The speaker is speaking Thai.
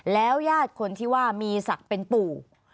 แล้วญาติคนที่ว่ามีศักดิ์เป็นปู่